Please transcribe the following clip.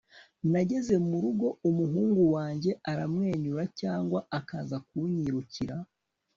nageze murugo umuhungu wanjye aramwenyura cyangwa akaza kunyirukira